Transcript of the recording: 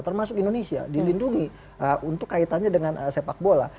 termasuk indonesia dilindungi untuk kaitannya dengan sepak bola